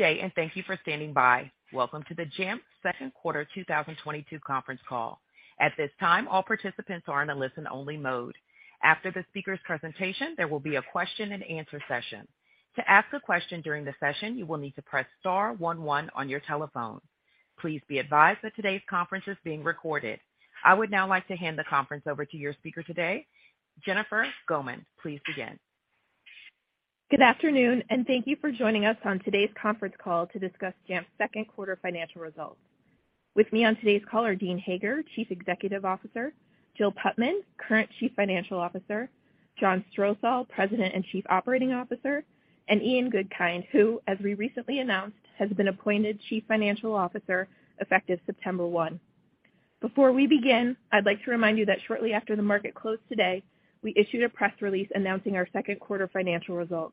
Good day, and thank you for standing by. Welcome to the Jamf second quarter 2022 conference call. At this time, all participants are in a listen-only mode. After the speaker's presentation, there will be a question-and-answer session. To ask a question during the session, you will need to press star one one on your telephone. Please be advised that today's conference is being recorded. I would now like to hand the conference over to your speaker today, Jennifer Gaumond. Please begin. Good afternoon, and thank you for joining us on today's conference call to discuss Jamf's second quarter financial results. With me on today's call are Dean Hager, Chief Executive Officer; Jill Putman, current Chief Financial Officer; John Strosahl, President and Chief Operating Officer; and Ian Goodkind, who, as we recently announced, has been appointed Chief Financial Officer effective September 1. Before we begin, I'd like to remind you that shortly after the market closed today, we issued a press release announcing our second quarter financial results.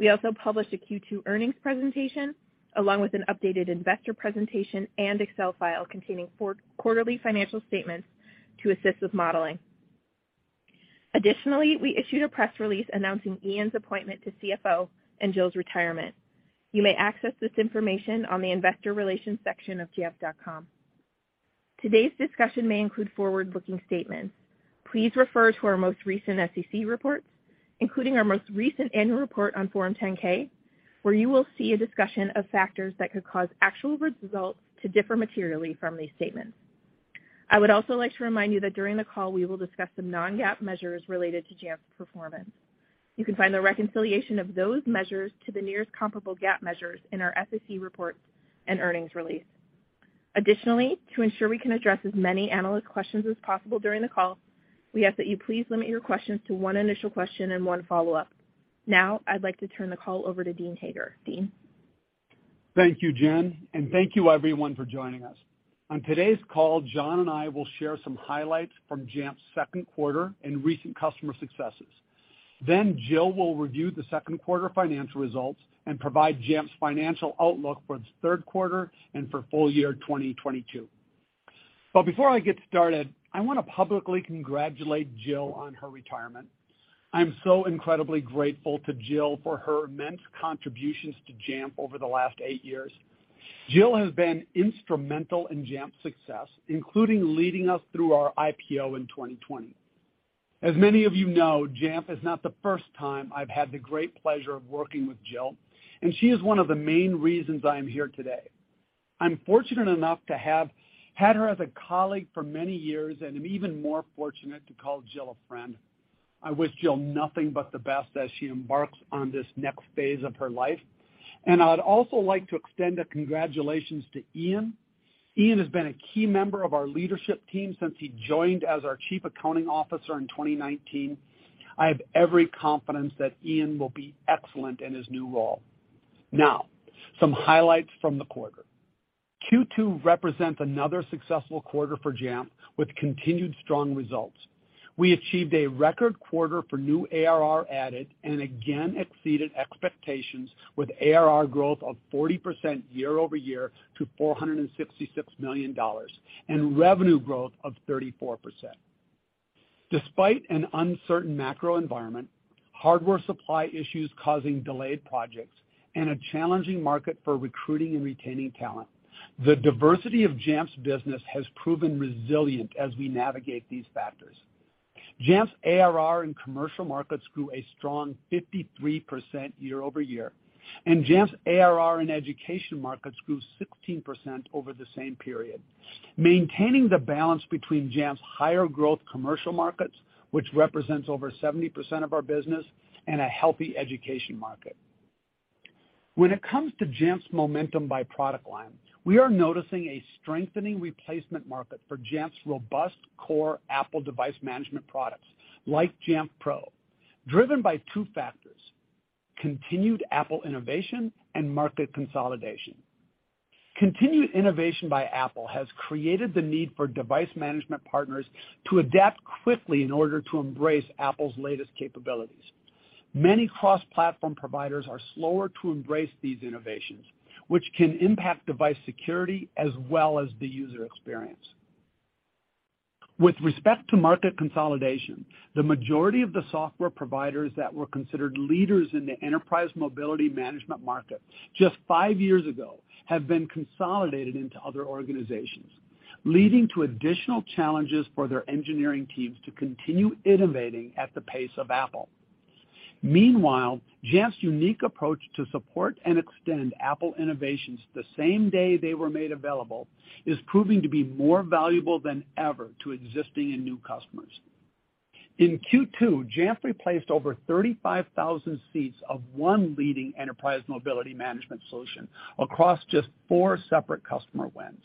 We also published a Q2 earnings presentation along with an updated investor presentation and Excel file containing four quarterly financial statements to assist with modeling. Additionally, we issued a press release announcing Ian's appointment to CFO and Jill's retirement. You may access these information on the Investor Relations section of jamf.com. Today's discussion may include forward-looking statements. Please refer to our most recent SEC reports, including our most recent annual report on Form 10-K, where you will see a discussion of factors that could cause actual results to differ materially from these statements. I would also like to remind you that during the call we will discuss some non-GAAP measures related to Jamf's performance. You can find the reconciliation of those measures to the nearest comparable GAAP measures in our SEC reports and earnings release. Additionally, to ensure we can address as many analyst questions as possible during the call, we ask that you please limit your questions to one initial question and one follow-up. Now, I'd like to turn the call over to Dean Hager. Dean. Thank you, Jen, and thank you everyone for joining us. On today's call, John and I will share some highlights from Jamf's second quarter and recent customer successes. Jill will review the second quarter financial results and provide Jamf's financial outlook for the third quarter and for full year 2022. Before I get started, I want to publicly congratulate Jill on her retirement. I'm so incredibly grateful to Jill for her immense contributions to Jamf over the last eight years. Jill has been instrumental in Jamf's success, including leading us through our IPO in 2020. As many of you know, Jamf is not the first time I've had the great pleasure of working with Jill, and she is one of the main reasons I am here today. I'm fortunate enough to have had her as a colleague for many years, and I'm even more fortunate to call Jill a friend. I wish Jill nothing but the best as she embarks on this next phase of her life. I'd also like to extend a congratulations to Ian. Ian has been a key member of our leadership team since he joined as our Chief Accounting Officer in 2019. I have every confidence that Ian will be excellent in his new role. Now, some highlights from the quarter. Q2 represents another successful quarter for Jamf with continued strong results. We achieved a record quarter for new ARR added and, again, exceeded expectations with ARR growth of 40% year-over-year to $466 million and revenue growth of 34%. Despite an uncertain macro environment, hardware supply issues causing delayed projects, and a challenging market for recruiting and retaining talent, the diversity of Jamf's business has proven resilient as we navigate these factors. Jamf's ARR in commercial markets grew a strong 53% year-over-year, and Jamf's ARR in education markets grew 16% over the same period, maintaining the balance between Jamf's higher growth commercial markets, which represents over 70% of our business and a healthy education market. When it comes to Jamf's momentum by product line, we are noticing a strengthening replacement market for Jamf's robust core Apple device management products like Jamf Pro, driven by two factors: continued Apple innovation and market consolidation. Continued innovation by Apple has created the need for device management partners to adapt quickly in order to embrace Apple's latest capabilities. Many cross-platform providers are slower to embrace these innovations, which can impact device security as well as the user experience. With respect to market consolidation, the majority of the software providers that were considered leaders in the enterprise mobility management market just five years ago have been consolidated into other organizations, leading to additional challenges for their engineering teams to continue innovating at the pace of Apple. Meanwhile, Jamf's unique approach to support and extend Apple innovations the same day they were made available is proving to be more valuable than ever to existing and new customers. In Q2, Jamf replaced over 35,000 seats of one leading enterprise mobility management solution across just four separate customer wins.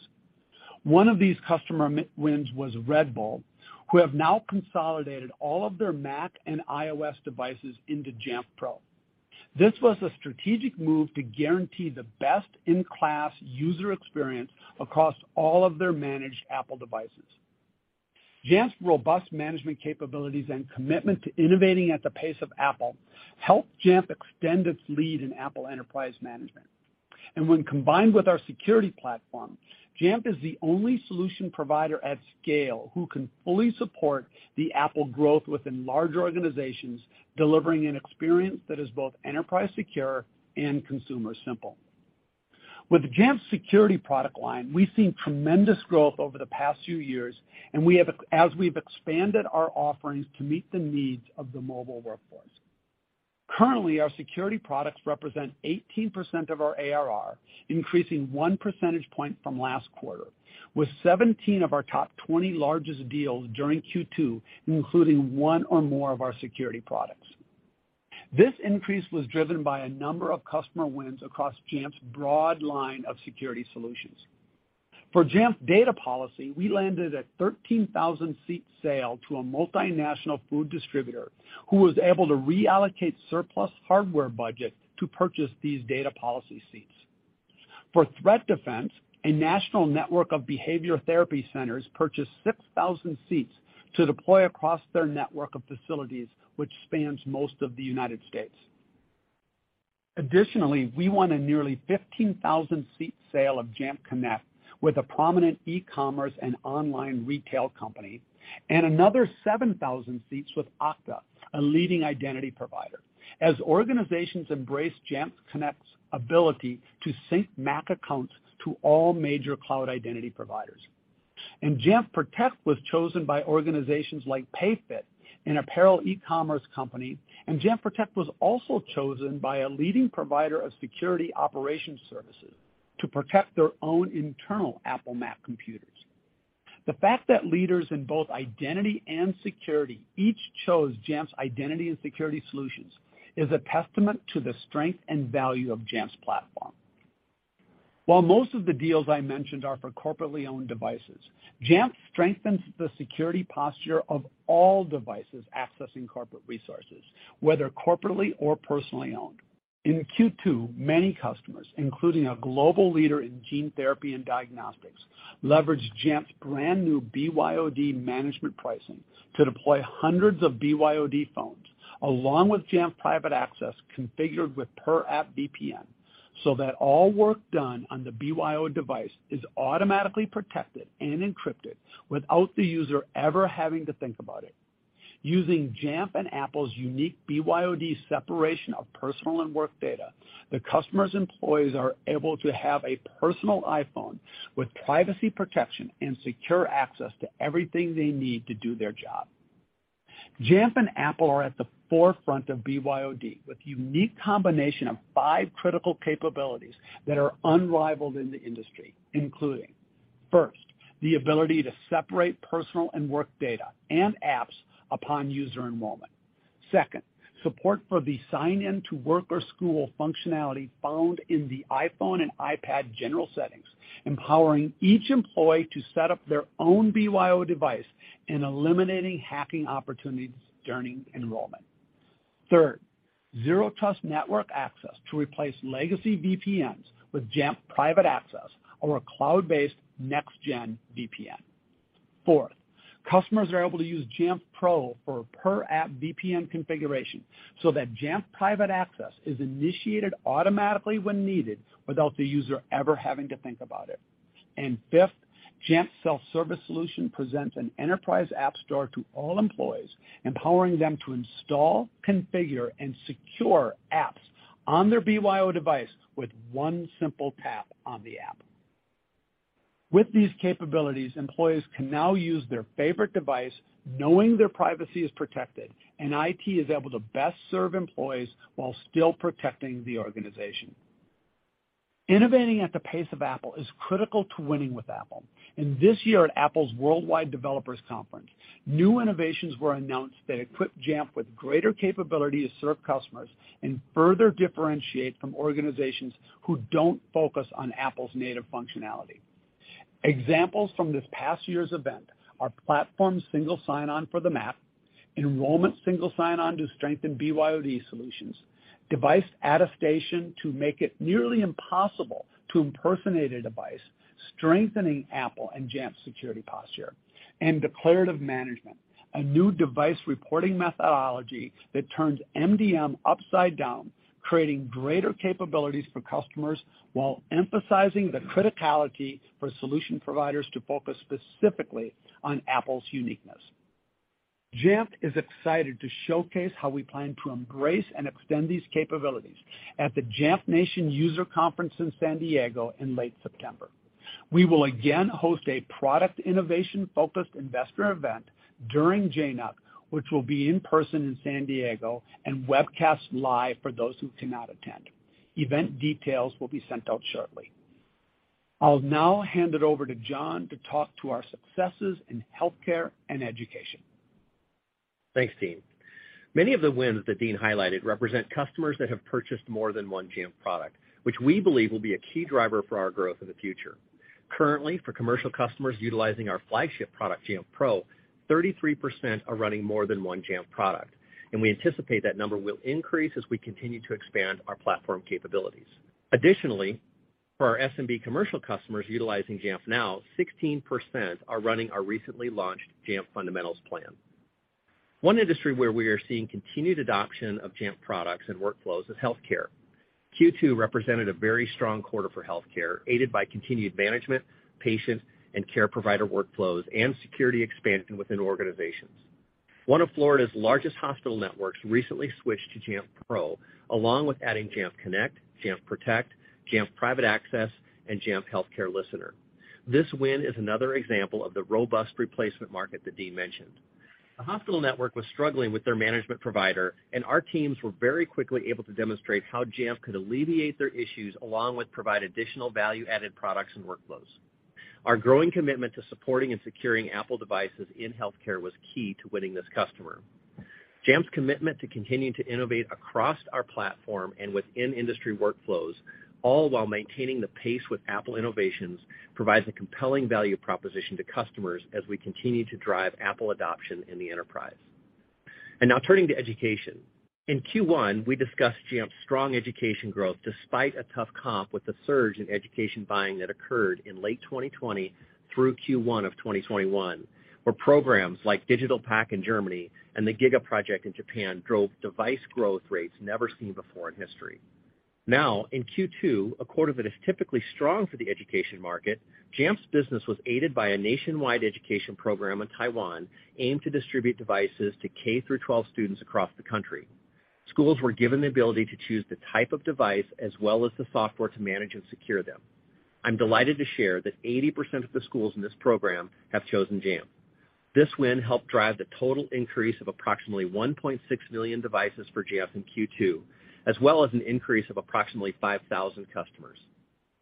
One of these customer wins was Red Bull, who have now consolidated all of their Mac and iOS devices into Jamf Pro. This was a strategic move to guarantee the best-in-class user experience across all of their managed Apple devices. Jamf's robust management capabilities and commitment to innovating at the pace of Apple helped Jamf extend its lead in Apple enterprise management. When combined with our security platform, Jamf is the only solution provider at scale who can fully support the Apple growth within larger organizations, delivering an experience that is both enterprise-secure and consumer-simple. With Jamf security product line, we've seen tremendous growth over the past few years, as we've expanded our offerings to meet the needs of the mobile workforce. Currently, our security products represent 18% of our ARR, increasing 1 percentage point from last quarter, with 17 of our top 20 largest deals during Q2, including one or more of our security products. This increase was driven by a number of customer wins across Jamf's broad line of security solutions. For Jamf Data Policy, we landed a 13,000 seat sale to a multinational food distributor who was able to reallocate surplus hardware budget to purchase these data policy seats. For Jamf Threat Defense, a national network of behavior therapy centers purchased 6,000 seats to deploy across their network of facilities, which spans most of the United States. Additionally, we won a nearly 15,000 seat sale of Jamf Connect with a prominent e-commerce and online retail company, and another 7,000 seats with Okta, a leading identity provider. As organizations embrace Jamf Connect's ability to sync Mac accounts to all major cloud identity providers. Jamf Protect was chosen by organizations like PayFit, an apparel e-commerce company, and Jamf Protect was also chosen by a leading provider of security operations services to protect their own internal Apple Mac computers. The fact that leaders in both identity and security each chose Jamf's identity and security solutions is a testament to the strength and value of Jamf's platform. While most of the deals I mentioned are for corporately-owned devices, Jamf strengthens the security posture of all devices accessing corporate resources, whether corporately or personally owned. In Q2, many customers, including a global leader in gene therapy and diagnostics, leveraged Jamf's brand new BYOD management pricing to deploy hundreds of BYOD phones, along with Jamf Private Access configured with per-app VPN, so that all work done on the BYO device is automatically protected and encrypted without the user ever having to think about it. Using Jamf and Apple's unique BYOD separation of personal and work data, the customer's employees are able to have a personal iPhone with privacy protection and secure access to everything they need to do their job. Jamf and Apple are at the forefront of BYOD with unique combination of five critical capabilities that are unrivaled in the industry, including, first, the ability to separate personal and work data and apps upon user enrollment. Second, support for the sign-in to work or school functionality found in the iPhone and iPad general settings, empowering each employee to set up their own BYO device and eliminating hacking opportunities during enrollment. Third, zero trust network access to replace legacy VPNs with Jamf Private Access or a cloud-based next gen VPN. Fourth, customers are able to use Jamf Pro for per-app VPN configuration so that Jamf Private Access is initiated automatically when needed without the user ever having to think about it. Fifth, Jamf Self Service presents an enterprise app store to all employees, empowering them to install, configure, and secure apps on their BYO device with one simple tap on the app. With these capabilities, employees can now use their favorite device knowing their privacy is protected, and IT is able to best serve employees while still protecting the organization. Innovating at the pace of Apple is critical to winning with Apple. This year, at Apple's Worldwide Developers Conference, new innovations were announced that equipped Jamf with greater capability to serve customers and further differentiate from organizations who don't focus on Apple's native functionality. Examples from this past year's event are platform single sign-on for the Mac; enrollment single sign-on to strengthen BYOD solutions; device attestation to make it nearly impossible to impersonate a device, strengthening Apple and Jamf security posture; and declarative management, a new device reporting methodology that turns MDM upside down, creating greater capabilities for customers while emphasizing the criticality for solution providers to focus specifically on Apple's uniqueness. Jamf is excited to showcase how we plan to embrace and extend these capabilities at the Jamf Nation User Conference in San Diego in late September. We will again host a product innovation-focused investor event during JNUC, which will be in person in San Diego, and webcast live for those who cannot attend. Event details will be sent out shortly. I'll now hand it over to John to talk to our successes in healthcare and education. Thanks, Dean. Many of the wins that Dean highlighted represent customers that have purchased more than one Jamf product, which we believe will be a key driver for our growth in the future. Currently, for commercial customers utilizing our flagship product, Jamf Pro, 33% are running more than one Jamf product, and we anticipate that number will increase as we continue to expand our platform capabilities. Additionally, for our SMB commercial customers utilizing Jamf Now, 16% are running our recently launched Jamf Fundamentals plan. One industry where we are seeing continued adoption of Jamf products and workflows is healthcare. Q2 represented a very strong quarter for healthcare, aided by continued management, patient and care provider workflows, and security expansion within organizations. One of Florida's largest hospital networks recently switched to Jamf Pro, along with adding Jamf Connect, Jamf Protect, Jamf Private Access, and Jamf Healthcare Listener. This win is another example of the robust replacement market that Dean mentioned. The hospital network was struggling with their management provider, and our teams were very quickly able to demonstrate how Jamf could alleviate their issues, along with provide additional value-added products and workflows. Our growing commitment to supporting and securing Apple devices in healthcare was key to winning this customer. Jamf's commitment to continuing to innovate across our platform and within industry workflows, all while maintaining the pace with Apple innovations, provides a compelling value proposition to customers as we continue to drive Apple adoption in the enterprise. Now, turning to education. In Q1, we discussed Jamf's strong education growth despite a tough comp with the surge in education buying that occurred in late 2020 through Q1 of 2021, where programs like DigitalPakt in Germany and the GIGA project in Japan drove device growth rates never seen before in history. Now, in Q2, a quarter that is typically strong for the education market, Jamf's business was aided by a nationwide education program in Taiwan aimed to distribute devices to K through 12 students across the country. Schools were given the ability to choose the type of device as well as the software to manage and secure them. I'm delighted to share that 80% of the schools in this program have chosen Jamf. This win helped drive the total increase of approximately 1.6 million devices for Jamf in Q2, as well as an increase of approximately 5,000 customers.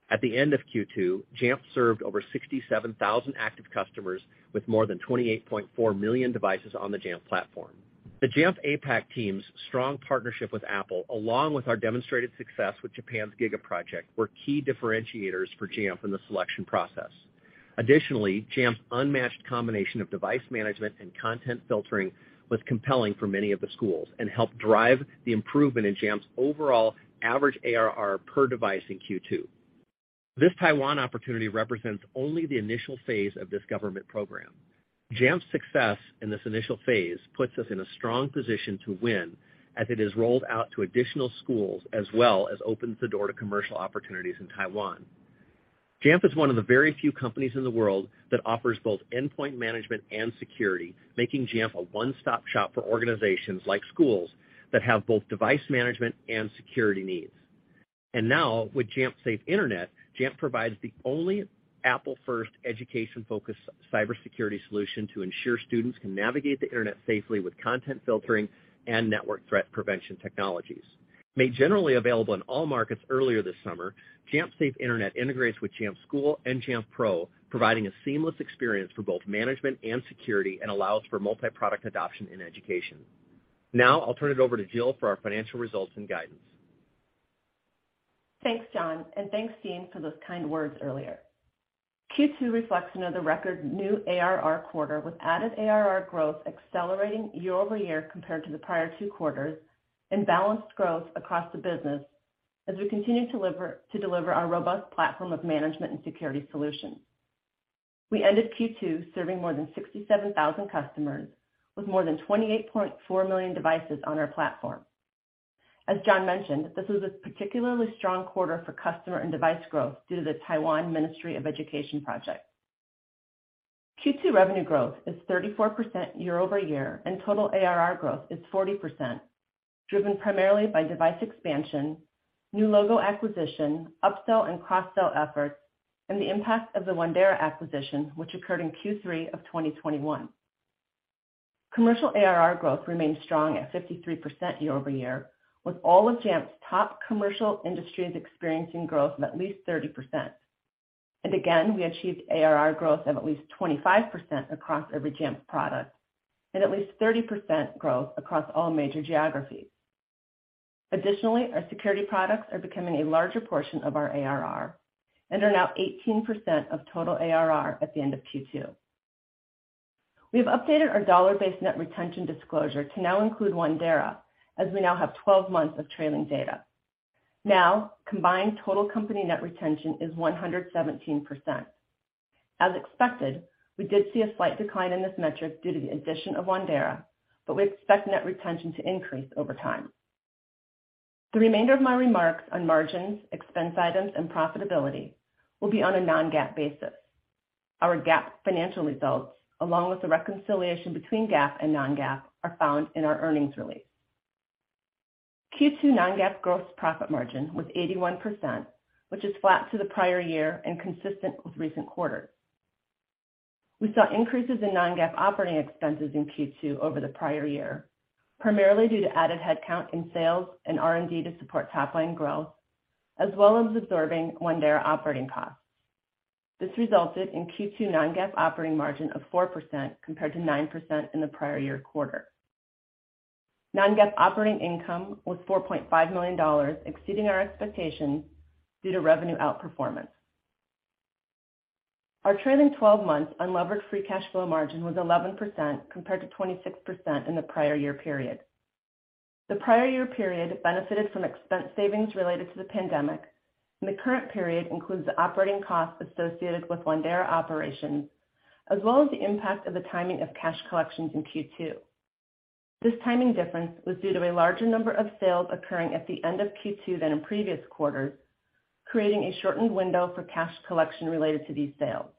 At the end of Q2, Jamf served over 67,000 active customers with more than 28.4 million devices on the Jamf platform. The Jamf APAC team's strong partnership with Apple, along with our demonstrated success with Japan's GIGA project, were key differentiators for Jamf in the selection process. Additionally, Jamf's unmatched combination of device management and content filtering was compelling for many of the schools, and helped drive the improvement in Jamf's overall average ARR per device in Q2. This Taiwan opportunity represents only the initial phase of this government program. Jamf's success in this initial phase puts us in a strong position to win as it is rolled out to additional schools as well as opens the door to commercial opportunities in Taiwan. Jamf is one of the very few companies in the world that offers both endpoint management and security, making Jamf a one-stop shop for organizations like schools that have both device management and security needs. Now, with Jamf Safe Internet, Jamf provides the only Apple-first education-focused cybersecurity solution to ensure students can navigate the internet safely with content filtering and network threat prevention technologies. Made generally available in all markets earlier this summer, Jamf Safe Internet integrates with Jamf School and Jamf Pro, providing a seamless experience for both management and security, and allows for multi-product adoption in education. Now, I'll turn it over to Jill for our financial results and guidance. Thanks, John, and thanks Dean for those kind words earlier. Q2 reflects another record new ARR quarter with added ARR growth accelerating year-over-year compared to the prior two quarters and balanced growth across the business as we continue to deliver our robust platform of management and security solutions. We ended Q2 serving more than 67,000 customers with more than 28.4 million devices on our platform. As John mentioned, this was a particularly strong quarter for customer and device growth due to the Taiwan Ministry of Education project. Q2 revenue growth is 34% year-over-year, and total ARR growth is 40%, driven primarily by device expansion, new logo acquisition, upsell and cross-sell efforts, and the impact of the Wandera acquisition, which occurred in Q3 of 2021. Commercial ARR growth remains strong at 53% year-over-year, with all of Jamf's top commercial industries experiencing growth of at least 30%. Again, we achieved ARR growth of at least 25% across every Jamf product and at least 30% growth across all major geographies. Additionally, our security products are becoming a larger portion of our ARR, and are now 18% of total ARR at the end of Q2. We have updated our dollar-based net retention disclosure to now include Wandera, as we now have 12 months of trailing data. Now, combined total company net retention is 117%. As expected, we did see a slight decline in this metric due to the addition of Wandera, but we expect net retention to increase over time. The remainder of my remarks on margins, expense items, and profitability will be on a non-GAAP basis. Our GAAP financial results, along with the reconciliation between GAAP and non-GAAP, are found in our earnings release. Q2 non-GAAP gross profit margin was 81%, which is flat to the prior year and consistent with recent quarters. We saw increases in non-GAAP operating expenses in Q2 over the prior year, primarily due to added headcount in sales and R&D to support top-line growth, as well as absorbing Wandera operating costs. This resulted in Q2 non-GAAP operating margin of 4% compared to 9% in the prior year quarter. Non-GAAP operating income was $4.5 million, exceeding our expectations due to revenue outperformance. Our trailing twelve months unlevered free cash flow margin was 11%, compared to 26% in the prior year period. The prior year period benefited from expense savings related to the pandemic, and the current period includes the operating costs associated with Wandera operations as well as the impact of the timing of cash collections in Q2. This timing difference was due to a larger number of sales occurring at the end of Q2 than in previous quarters, creating a shortened window for cash collection related to these sales.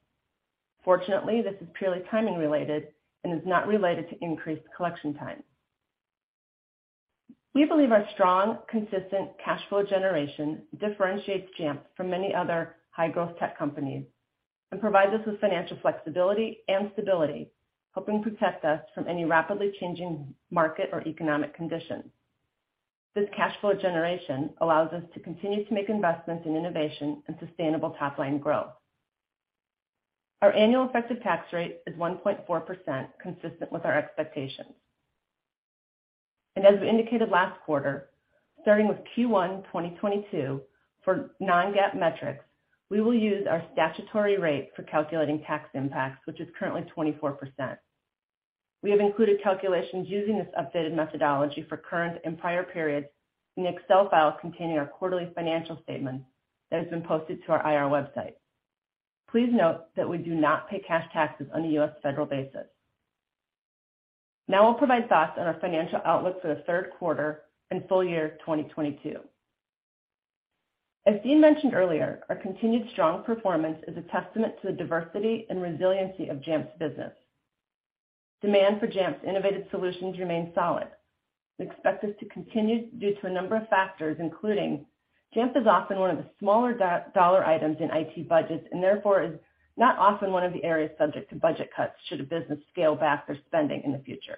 Fortunately, this is purely timing related and is not related to increased collection time. We believe our strong, consistent cash flow generation differentiates Jamf from many other high-growth tech companies, and provides us with financial flexibility and stability, helping protect us from any rapidly changing market or economic conditions. This cash flow generation allows us to continue to make investments in innovation and sustainable top-line growth. Our annual effective tax rate is 1.4%, consistent with our expectations. As we indicated last quarter, starting with Q1 2022, for non-GAAP metrics, we will use our statutory rate for calculating tax impacts, which is currently 24%. We have included calculations using this updated methodology for current and prior periods in the Excel file containing our quarterly financial statements that has been posted to our IR website. Please note that we do not pay cash taxes on the U.S. federal basis. Now, we'll provide thoughts on our financial outlook for the third quarter and full year 2022. As Dean mentioned earlier, our continued strong performance is a testament to the diversity and resiliency of Jamf's business. Demand for Jamf's innovative solutions remains solid. We expect this to continue due to a number of factors, including, Jamf is often one of the smaller dollar items in IT budgets and, therefore, is not often one of the areas subject to budget cuts should a business scale back their spending in the future.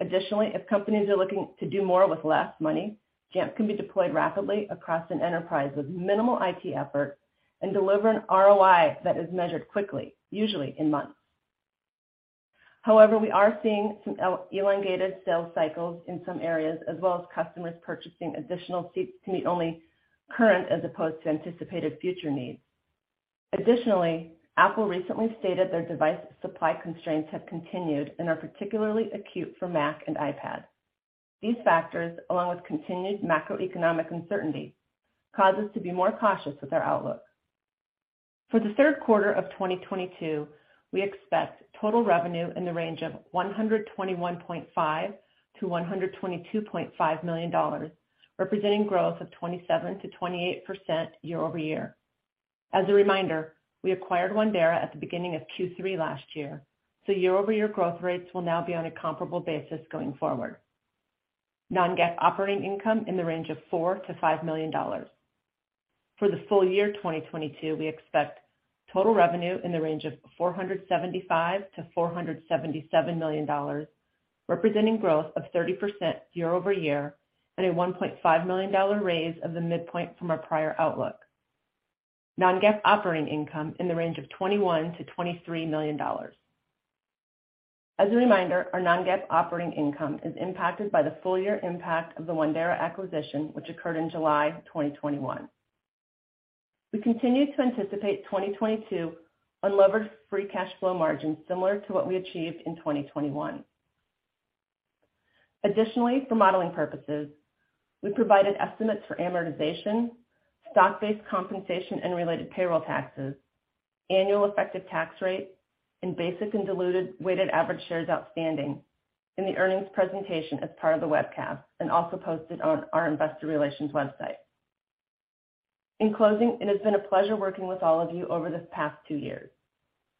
Additionally, if companies are looking to do more with less money, Jamf can be deployed rapidly across an enterprise with minimal IT effort, and deliver an ROI that is measured quickly, usually in months. However, we are seeing some elongated sales cycles in some areas, as well as customers purchasing additional seats to meet only current as opposed to anticipated future needs. Additionally, Apple recently stated their device supply constraints have continued and are particularly acute for Mac and iPad. These factors, along with continued macroeconomic uncertainty, cause us to be more cautious with our outlook. For the third quarter of 2022, we expect total revenue in the range of $121.5 million-$122.5 million, representing growth of 27%-28% year-over-year. As a reminder, we acquired Wandera at the beginning of Q3 last year, so year-over-year growth rates will now be on a comparable basis going forward. Non-GAAP operating income in the range of $4 million-$5 million. For the full year 2022, we expect total revenue in the range of $475 million-$477 million, representing growth of 30% year-over-year and a $1.5 million raise of the midpoint from our prior outlook. Non-GAAP operating income in the range of $21 million-$23 million. As a reminder, our non-GAAP operating income is impacted by the full year impact of the Wandera acquisition, which occurred in July 2021. We continue to anticipate 2022 unlevered free cash flow margin similar to what we achieved in 2021. Additionally, for modeling purposes, we provided estimates for amortization, stock-based compensation and related payroll taxes, annual effective tax rate, and basic and diluted weighted average shares outstanding in the earnings presentation as part of the webcast and also posted on our Investor Relations website. In closing, it has been a pleasure working with all of you over the past two years.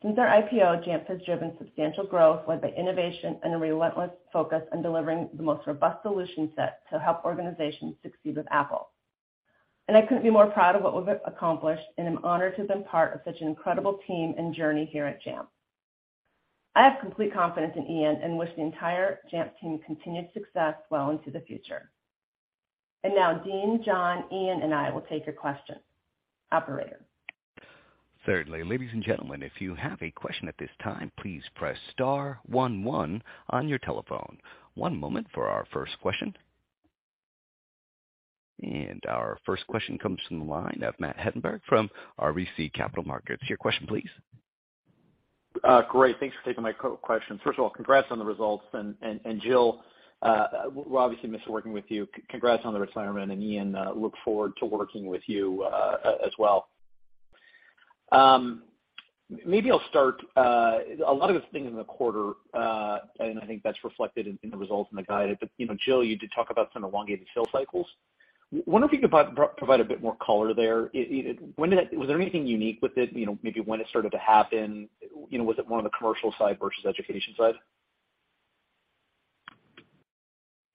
Since our IPO, Jamf has driven substantial growth led by innovation and a relentless focus on delivering the most robust solution set to help organizations succeed with Apple. I couldn't be more proud of what we've accomplished, and I'm honored to have been part of such an incredible team and journey here at Jamf. I have complete confidence in Ian, and wish the entire Jamf team continued success well into the future. Now, Dean, John, Ian and I will take your questions. Operator? Certainly. Ladies and gentlemen, if you have a question at this time, please press star one one on your telephone. One moment for our first question. Our first question comes from the line of Matt Hedberg from RBC Capital Markets. Your question please. Great. Thanks for taking my question. First of all, congrats on the results. Jill, we'll obviously miss working with you. Congrats on the retirement. Ian, look forward to working with you as well. Maybe I'll start, a lot of it's been in the quarter, and I think that's reflected in the results and the guidance. You know, Jill, you did talk about some elongated sales cycles. Wonder if you could provide a bit more color there. When did that--Was there anything unique with it, you know, maybe when it started to happen? You know, was it more on the commercial side versus education side?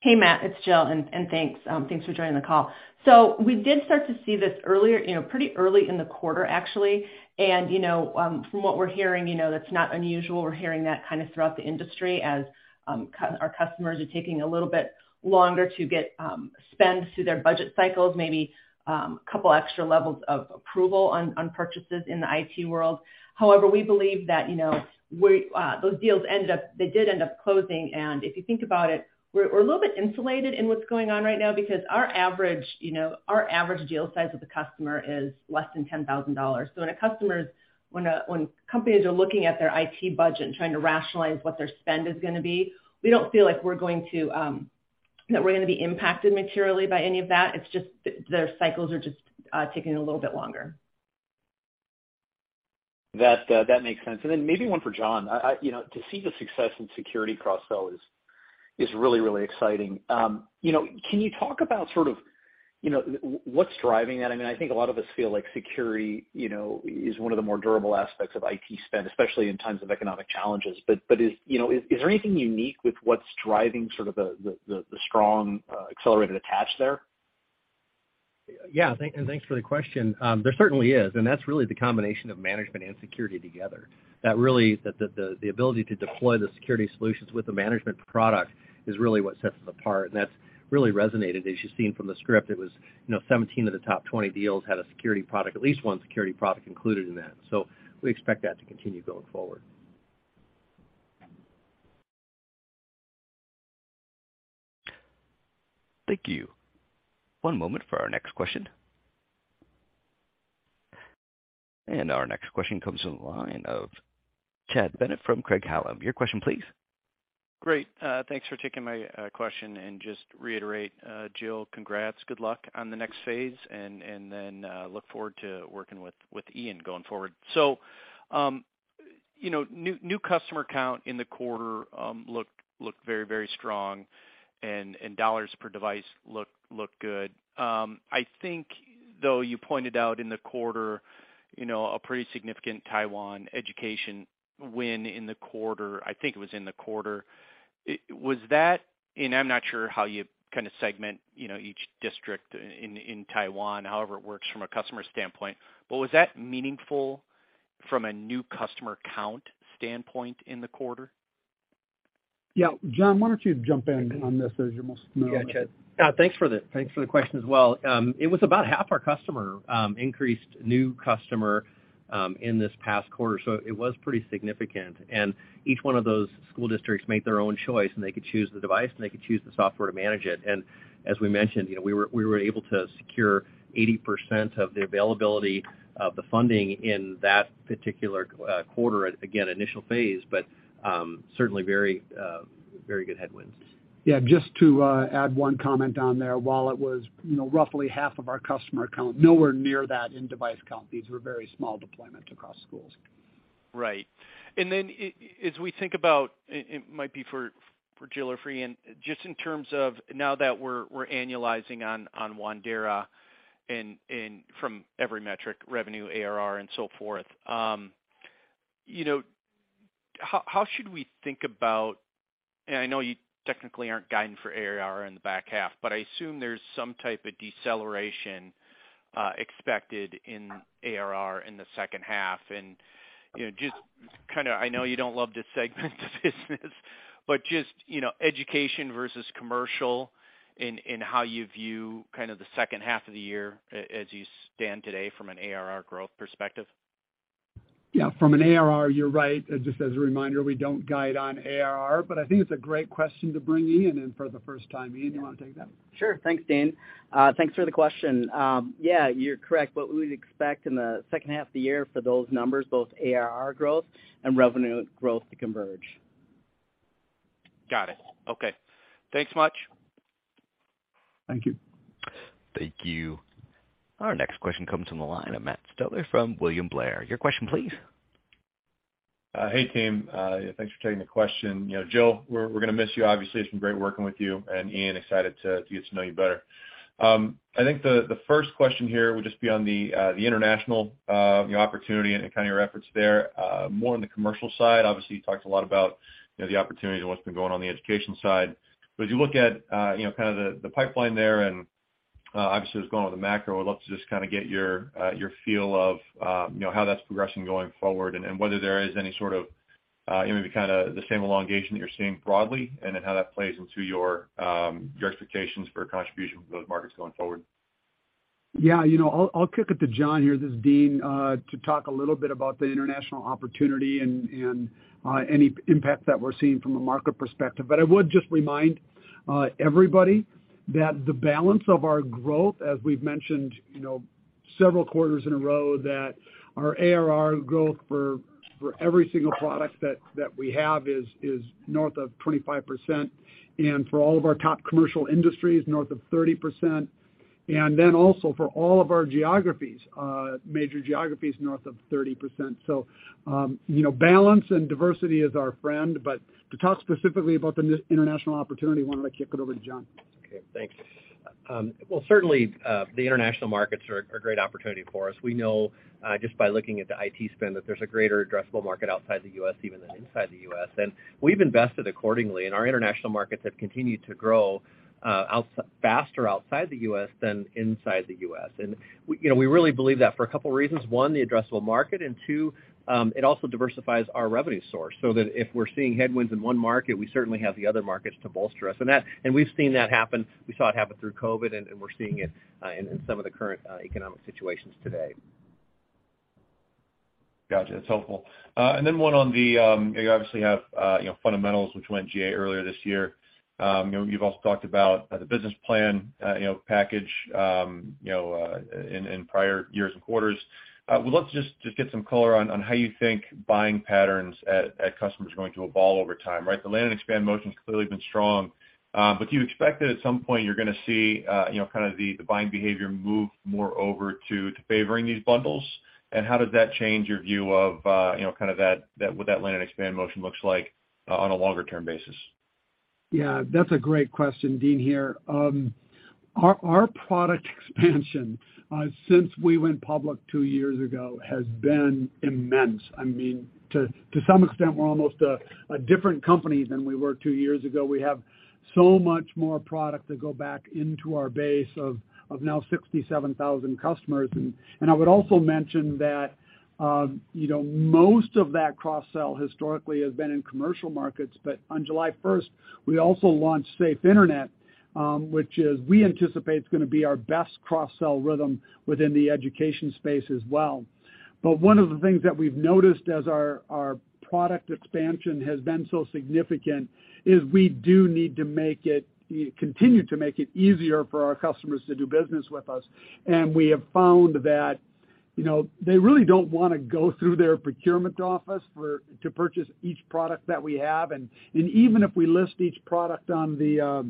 Hey, Matt, it's Jill, and thanks. Thanks for joining the call. We did start to see this earlier, you know, pretty early in the quarter, actually. You know, from what we're hearing, you know, that's not unusual. We're hearing that kind of throughout the industry as our customers are taking a little bit longer to get spend through their budget cycles, maybe a couple extra levels of approval on purchases in the IT world. However, we believe that, you know, those deals ended up closing. If you think about it, we're a little bit insulated in what's going on right now because our average deal size with a customer is less than $10,000. When companies are looking at their IT budget and trying to rationalize what their spend is gonna be, we don't feel like we're gonna be impacted materially by any of that. It's just their cycles are just taking a little bit longer. That makes sense. Maybe one for John. You know, to see the success in security cross-sell is really exciting. You know, can you talk about sort of, you know, what's driving that? I mean, I think a lot of us feel like security, you know, is one of the more durable aspects of IT spend, especially in times of economic challenges. Is there, you know, anything unique with what's driving sort of the strong accelerated attach there? Yeah. Thanks for the question. There certainly is, and that's really the combination of management and security together. That really the ability to deploy the security solutions with the management product is really what sets us apart, and that's really resonated. As you've seen from the script, it was, you know, 17 of the top 20 deals had a security product, at least one security product included in that. We expect that to continue going forward. Thank you. One moment for our next question. Our next question comes from the line of Chad Bennett from Craig-Hallum. Your question please. Great. Thanks for taking my question, and just to reiterate, Jill, congrats. Good luck on the next phase, and then look forward to working with Ian going forward. You know, new customer count in the quarter looked very strong and dollars per device looked good. I think, though, you pointed out in the quarter, you know, a pretty significant Taiwan education win in the quarter, I think it was in the quarter. Was that, and I'm not sure how you kind of segment, you know, each district in Taiwan, however it works from a customer standpoint, but was that meaningful from a new customer count standpoint in the quarter? Yeah, John, why don't you jump in on this as you're most familiar? Yeah, Chad. Thanks for the question as well. It was about 1/2 of our new customers in this past quarter, so it was pretty significant. Each one of those school districts made their own choice, and they could choose the device, and they could choose the software to manage it. As we mentioned, you know, we were able to secure 80% of the availability of the funding in that particular quarter. Again, initial phase, but certainly very good tailwinds. Yeah, just to add one comment on there. While it was, you know, roughly 1/2 of our customer count, nowhere near that in device count. These were very small deployments across schools. Right. As we think about it might be for Jill or for Ian, just in terms of now that we're annualizing on Wandera and from every metric, revenue, ARR and so forth, you know, how should we think about it? I know you technically aren't guiding for ARR in the back half, but I assume there's some type of deceleration expected in ARR in the second half. You know, just kinda--I know you don't love to segment the business but just, you know, education versus commercial in how you view kind of the second half of the year as you stand today from an ARR growth perspective. Yeah. From an ARR, you're right. Just as a reminder, we don't guide on ARR, but I think it's a great question to bring Ian in for the first time. Ian, do you wanna take that? Sure. Thanks, Dean. Thanks for the question. Yeah, you're correct. What we would expect in the second half of the year for those numbers, both ARR growth and revenue growth to converge. Got it. Okay. Thanks much. Thank you. Thank you. Our next question comes from the line of Matt Stotler from William Blair. Your question please. Hey, team, thanks for taking the question. You know, Jill, we're gonna miss you obviously. It's been great working with you, and Ian, excited to get to know you better. I think the first question here would just be on the international, you know, opportunity and kind of your efforts there, more on the commercial side. Obviously, you talked a lot about, you know, the opportunity and what's been going on the education side. As you look at, you know, kind of the pipeline there and, obviously what's going on with the macro, I'd love to just kind of get your feel of, you know, how that's progressing going forward and whether there is any sort of, you know, maybe kind of the same elongation that you're seeing broadly, and then how that plays into your expectations for contribution from those markets going forward. Yeah. You know, I'll kick it to John here, this is Dean, to talk a little bit about the international opportunity and any impact that we're seeing from a market perspective. I would just remind everybody that the balance of our growth, as we've mentioned, you know, several quarters in a row, that our ARR growth for every single product that we have is north of 25%, and for all of our top commercial industries, north of 30%, and then also for all of our geographies, major geographies, north of 30%. You know, balance and diversity is our friend. To talk specifically about the international opportunity, why don't I kick it over to John? Okay, thanks. Well, certainly, the international markets are a great opportunity for us. We know, just by looking at the IT spend, that there's a greater addressable market outside the U.S. even than inside the U.S., and we've invested accordingly, and our international markets have continued to grow faster outside the U.S. than inside the U.S. We really believe that for a couple reasons. One, the addressable market, and two, it also diversifies our revenue source, so that if we're seeing headwinds in one market, we certainly have the other markets to bolster us. We've seen that happen. We saw it happen through COVID, and we're seeing it in some of the current economic situations today. Gotcha. That's helpful. One on the, you know, you obviously have, you know, Fundamentals which went GA earlier this year. You know, you've also talked about the business plan, you know, package, you know, in prior years and quarters. Would love to just get some color on how you think buying patterns at customers are going to evolve over time, right? The land and expand motion's clearly been strong, but do you expect that at some point you're gonna see, you know, kind of the buying behavior move more over to favoring these bundles? How does that change your view of, you know, kind of that, what that land and expand motion looks like on a longer term basis? Yeah, that's a great question. Dean here. Our product expansion since we went public two years ago has been immense. I mean, to some extent, we're almost a different company than we were two years ago. We have so much more product to go back into our base of now 67,000 customers. I would also mention that, you know, most of that cross-sell historically has been in commercial markets. On July first, we also launched Safe Internet, which we anticipate is gonna be our best cross-sell rhythm within the education space as well. One of the things that we've noticed as our product expansion has been so significant is we do need to continue to make it easier for our customers to do business with us. We have found that, you know, they really don't wanna go through their procurement office for to purchase each product that we have. Even if we list each product on the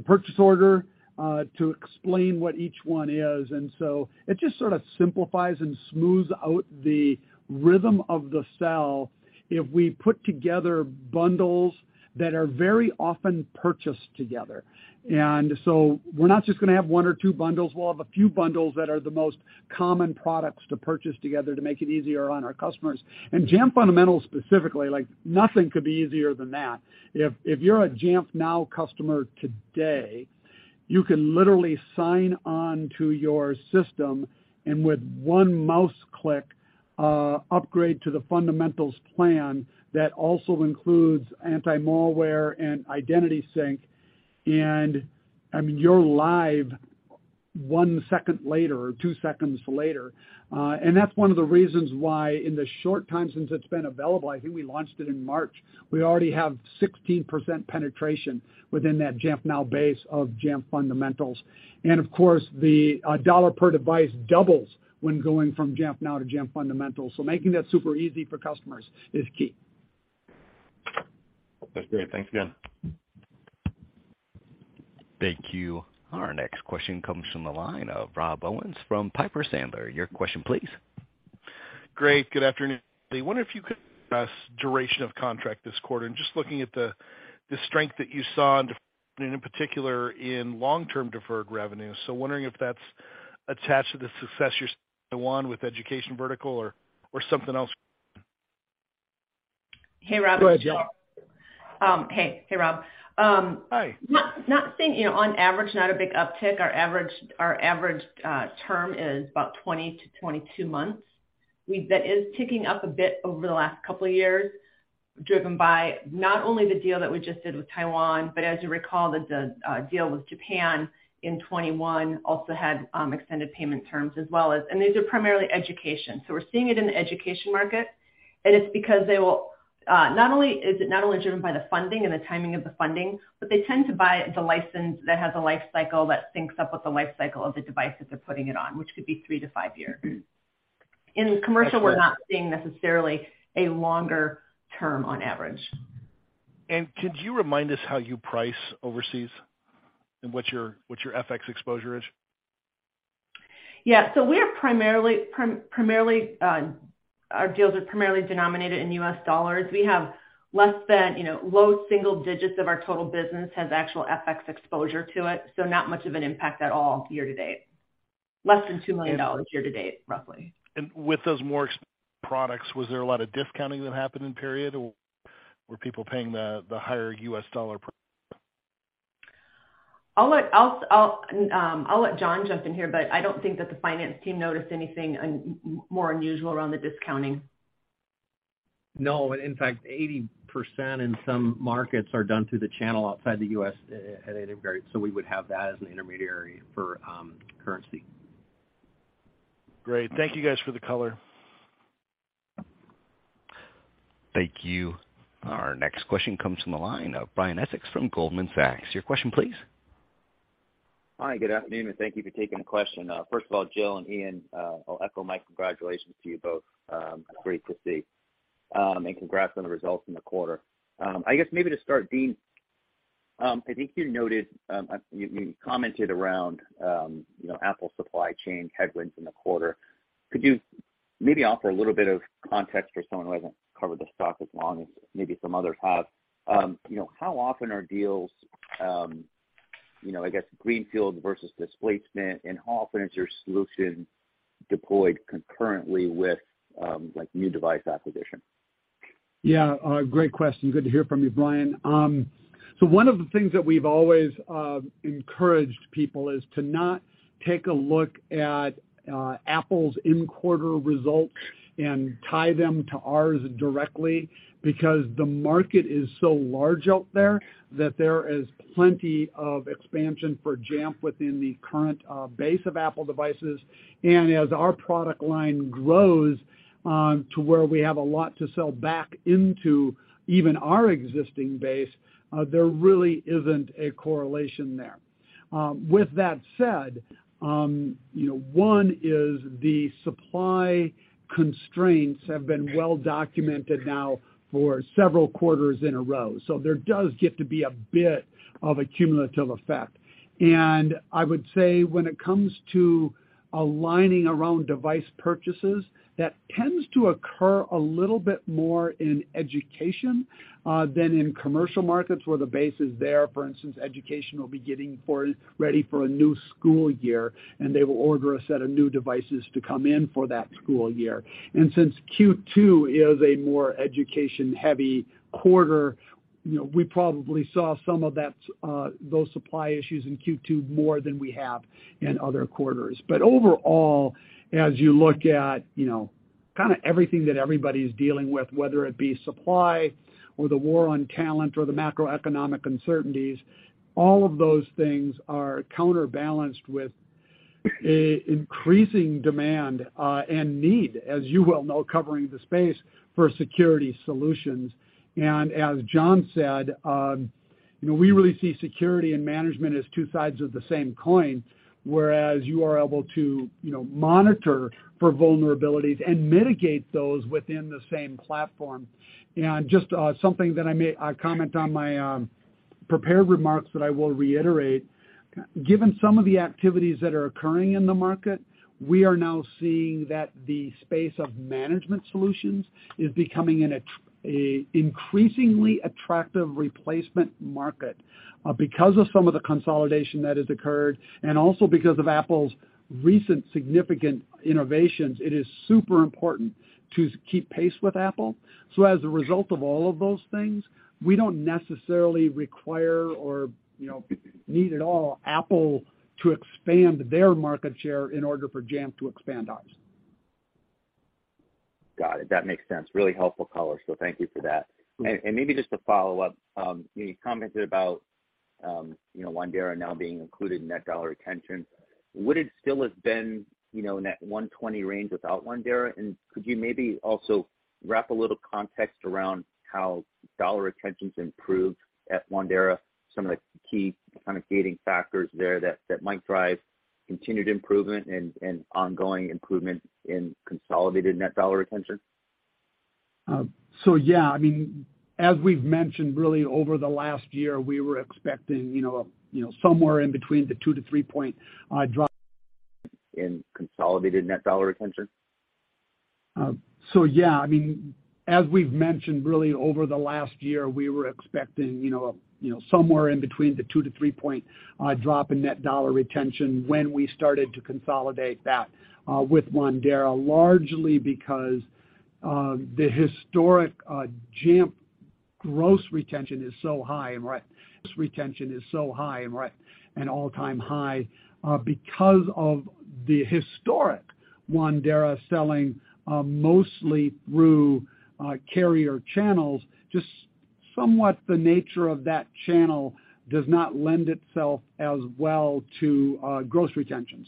purchase order to explain what each one is. It just sort of simplifies and smooths out the rhythm of the sale if we put together bundles that are very often purchased together. We're not just gonna have one or two bundles, we'll have a few bundles that are the most common products to purchase together to make it easier on our customers. Jamf Fundamentals specifically, like nothing could be easier than that. If you're a Jamf Now customer today, you can literally sign on to your system, and with one mouse click, upgrade to the Fundamentals plan that also includes anti-malware and identity sync. I mean, you're live one second later or two seconds later. That's one of the reasons why in the short time since it's been available, I think we launched it in March, we already have 16% penetration within that Jamf Now base of Jamf Fundamentals. Of course, the dollar per device doubles when going from Jamf Now to Jamf Fundamentals. Making that super easy for customers is key. That's great. Thanks again. Thank you. Our next question comes from the line of Rob Owens from Piper Sandler. Your question please. Great. Good afternoon. I wonder if you could give us duration of contract this quarter and just looking at the strength that you saw in particular in long-term deferred revenue. Wondering if that's attached to the success you're seeing in Taiwan with education vertical or something else. Hey, Rob. It's Jill. Go ahead, Jill. Hey. Hey, Rob. Hi. Not seeing, you know, on average, not a big uptick. Our average term is about 20-22 months. That is ticking up a bit over the last couple of years, driven by not only the deal that we just did with Taiwan, but as you recall, the deal with Japan in 2021 also had extended payment terms as well as these are primarily education. We're seeing it in the education market, and it's because not only is it driven by the funding and the timing of the funding, but they tend to buy the license that has a life cycle that syncs up with the life cycle of the device that they're putting it on, which could be three to five years. In commercial, we're not seeing necessarily a longer term on average. Could you remind us how you price overseas and what your FX exposure is? Yeah. Our deals are primarily denominated in U.S. dollars. We have less than, you know, low single digits% of our total business has actual FX exposure to it, so not much of an impact at all year to date. Less than $2 million year to date, roughly. With those more products, was there a lot of discounting that happened in the period, or were people paying the higher U.S. dollar price? I'll let John jump in here, but I don't think that the finance team noticed anything more unusual around the discounting. No. In fact, 80% in some markets are done through the channel outside the U.S., integrated. We would have that as an intermediary for currency. Great. Thank you guys for the color. Thank you. Our next question comes from the line of Brian Essex from Goldman Sachs. Your question please. Hi, good afternoon, and thank you for taking the question. First of all, Jill and Ian, I'll echo my congratulations to you both. Great to see. Congrats on the results in the quarter. I guess maybe to start, Dean, I think you noted you commented around you know, Apple supply chain headwinds in the quarter. Could you maybe offer a little bit of context for someone who hasn't covered the stock as long as maybe some others have? You know, how often are deals you know, I guess greenfield versus displacement, and how often is your solution deployed concurrently with like new device acquisition? Yeah. Great question. Good to hear from you, Brian. So one of the things that we've always encouraged people is to not take a look at Apple's in-quarter results and tie them to ours directly, because the market is so large out there that there is plenty of expansion for Jamf within the current base of Apple devices. As our product line grows, to where we have a lot to sell back into even our existing base, there really isn't a correlation there. With that said, you know, one is the supply constraints have been well documented now for several quarters in a row. There does get to be a bit of a cumulative effect. I would say when it comes to aligning around device purchases, that tends to occur a little bit more in education than in commercial markets where the base is there. For instance, education will be getting ready for a new school year, and they will order a set of new devices to come in for that school year. Since Q2 is a more education-heavy quarter, you know, we probably saw some of that, those supply issues in Q2 more than we have in other quarters. Overall, as you look at, you know, kinda everything that everybody's dealing with, whether it be supply or the war on talent or the macroeconomic uncertainties, all of those things are counterbalanced with an increasing demand and need, as you well know, covering the space for security solutions. As John said, you know, we really see security and management as two sides of the same coin, whereas you are able to, you know, monitor for vulnerabilities and mitigate those within the same platform. Just something that I may comment on my prepared remarks that I will reiterate. Given some of the activities that are occurring in the market, we are now seeing that the space of management solutions is becoming an increasingly attractive replacement market. Because of some of the consolidation that has occurred and also because of Apple's recent significant innovations, it is super important to keep pace with Apple. As a result of all of those things, we don't necessarily require or, you know, need at all Apple to expand their market share in order for Jamf to expand ours. Got it. That makes sense. Really helpful color, so thank you for that. Mm-hmm. Maybe just to follow up, you commented about, you know, Wandera now being included in net dollar retention. Would it still have been, you know, in that 120% range without Wandera? Could you maybe also wrap a little context around how dollar retention's improved at Wandera, some of the key kind of gating factors there that might drive continued improvement and ongoing improvement in consolidated net dollar retention? Yeah. I mean, as we've mentioned, really over the last year, we were expecting, you know, somewhere in between the 2%-3% drop. In calculated net dollar retention? Yeah. I mean, as we've mentioned, really over the last year, we were expecting, you know, somewhere in between the 2-3 point drop in net dollar retention when we started to consolidate that with Wandera, largely because the historic Jamf gross retention is so high and this retention is so high an all-time high because of the historic Wandera selling mostly through carrier channels, just somewhat the nature of that channel does not lend itself as well to gross retention.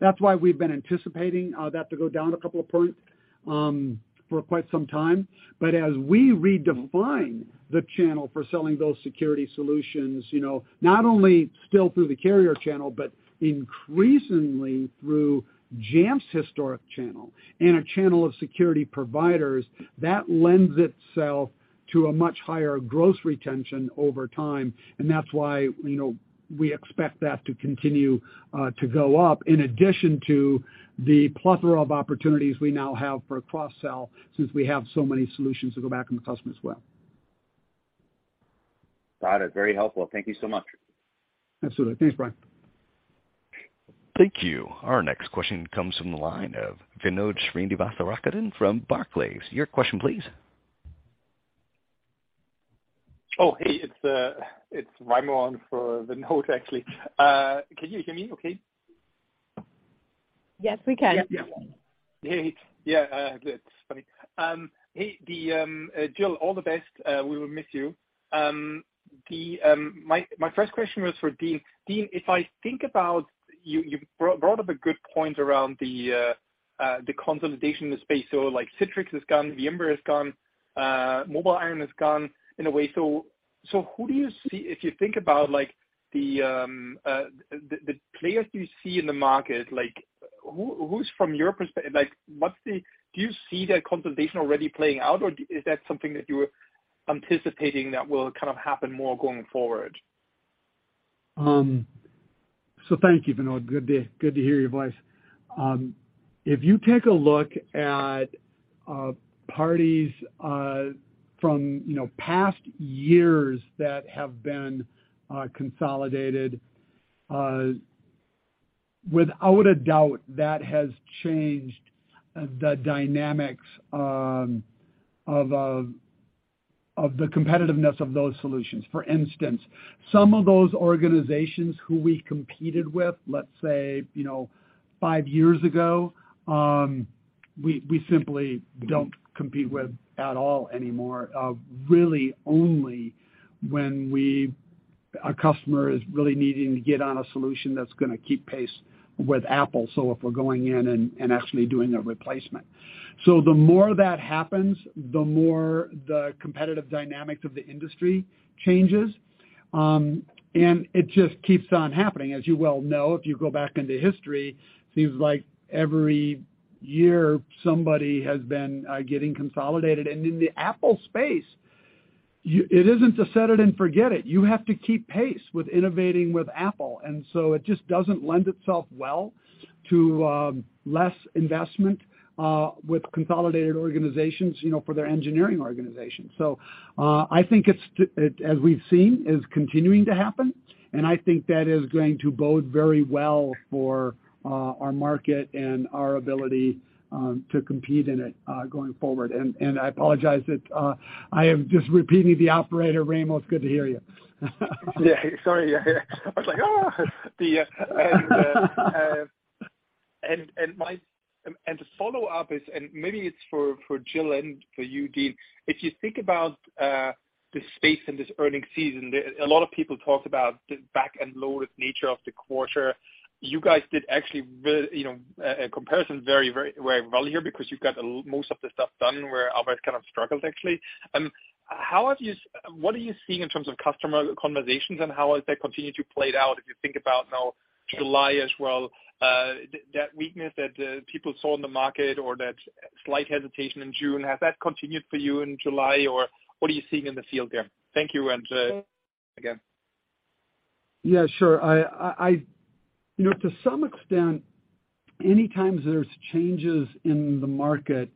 That's why we've been anticipating that to go down a couple of points for quite some time. As we redefine the channel for selling those security solutions, you know, not only still through the carrier channel, but increasingly through Jamf's historic channel and a channel of security providers, that lends itself to a much higher gross retention over time. That's why, you know, we expect that to continue to go up in addition to the plethora of opportunities we now have for cross-sell, since we have so many solutions to go back on the customer as well. Got it. Very helpful. Thank you so much. Absolutely. Thanks, Brian. Thank you. Our next question comes from the line of Vinod Srinivasaraghavan from Barclays. Your question, please. Oh, hey, it's Raimo for Vinod, actually. Can you hear me okay? Yes, we can. Yeah, it's funny. Hey, Jill, all the best. We will miss you. My first question was for Dean. Dean, if I think about you brought up a good point around the consolidation of the space. So like Citrix is gone, VMware is gone, MobileIron is gone in a way. So who do you see if you think about like the players you see in the market, like who from your perspective, like what's the, do you see that consolidation already playing out, or is that something that you're anticipating that will kind of happen more going forward? Thank you, Vinod. Good day. Good to hear your voice. If you take a look at parties from, you know, past years that have been consolidated, without a doubt, that has changed the dynamics of the competitiveness of those solutions. For instance, some of those organizations who we competed with, let's say, you know, five years ago, we simply don't compete with at all anymore, really only when our customer is really needing to get on a solution that's gonna keep pace with Apple, so if we're going in and actually doing a replacement. The more that happens, the more the competitive dynamics of the industry changes. It just keeps on happening. As you well know, if you go back into history, seems like every year somebody has been getting consolidated. In the Apple space, it isn't to set it and forget it. You have to keep pace with innovating with Apple, and so it just doesn't lend itself well to less investment with consolidated organizations, you know, for their engineering organization. I think it's, as we've seen, continuing to happen, and I think that is going to bode very well for our market and our ability to compete in it going forward. I apologize that I am just repeating the operator. Raimo, good to hear you. To follow up, maybe it's for Jill and for you, Dean. If you think about the space in this earnings season, a lot of people talk about the back-end-loaded nature of the quarter. You guys did actually really, you know, a comparison very well here because you've got most of the stuff done where others kind of struggled, actually. How have you—what are you seeing in terms of customer conversations and how has that continued to play out if you think about now July as well, that weakness that people saw in the market or that slight hesitation in June, has that continued for you in July, or what are you seeing in the field there? Thank you and again. Yeah, sure. I you know, to some extent, at times there's changes in the market,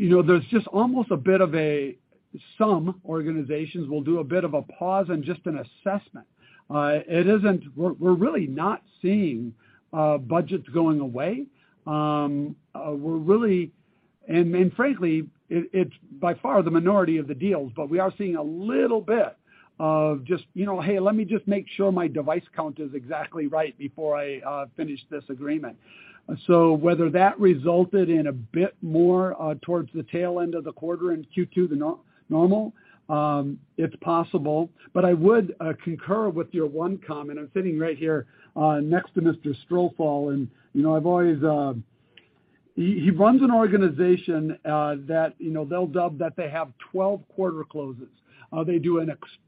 you know, there's just almost a bit of a, some organizations will do a bit of a pause and just an assessment. It isn't. We're really not seeing budgets going away. We're really and frankly, it's by far the minority of the deals, but we are seeing a little bit of just, you know, "Hey, let me just make sure my device count is exactly right before I finish this agreement." Whether that resulted in a bit more towards the tail end of the quarter in Q2 than normal, it's possible. I would concur with your one comment. I'm sitting right here next to Mr. Strosahl, and you know, I've always--He runs an organization that, you know, they'll dub that they have 12 quarter closes.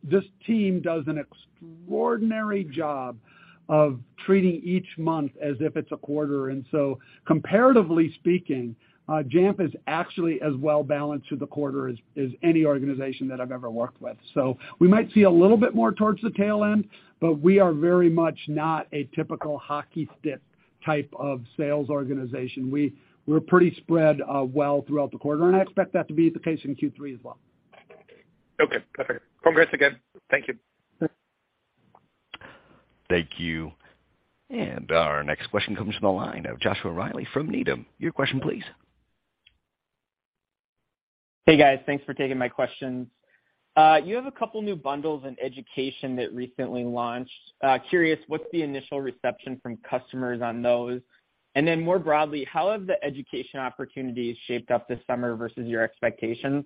This team does an extraordinary job of treating each month as if it's a quarter. Comparatively speaking, Jamf is actually as well balanced through the quarter as any organization that I've ever worked with. We might see a little bit more towards the tail end, but we are very much not a typical hockey stick type of sales organization. We're pretty spread well throughout the quarter, and I expect that to be the case in Q3 as well. Okay, perfect. Congrats again. Thank you. Sure. Thank you. Our next question comes from the line of Joshua Reilly from Needham. Your question, please. Hey, guys. Thanks for taking my questions. You have a couple new bundles in education that recently launched. Curious, what's the initial reception from customers on those? More broadly, how have the education opportunities shaped up this summer versus your expectations?